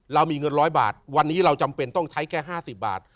เรามีเงิน๑๐๐บาทวันนี้เราจำเป็นต้องใช้แค่๕๐บาท